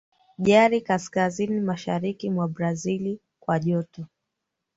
Jari kaskazini mashariki mwa Brazil kwa joto